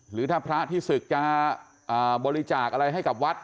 หรือถ้าพระที่ศึกจะบริจาคอะไรให้กับวัด